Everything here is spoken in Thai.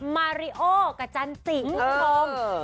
มาริโอกับจันติมุกลม